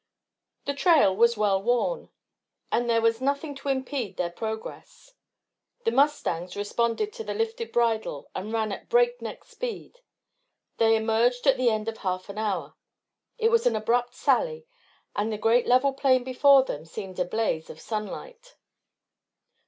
The trail was well worn, and there was nothing to impede their progress. The mustangs responded to the lifted bridle and ran at breakneck speed. They emerged at the end of half an hour. It was an abrupt sally, and the great level plain before them seemed a blaze of sunlight.